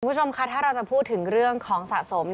คุณผู้ชมค่ะถ้าเราจะพูดถึงเรื่องของสะสม